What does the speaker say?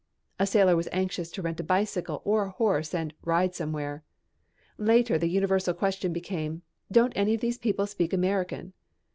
A sailor was anxious to rent a bicycle or a horse and "ride somewhere." Later the universal question became, "Don't any of these people speak American?"